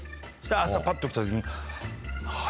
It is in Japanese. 朝ぱっと起きた時に。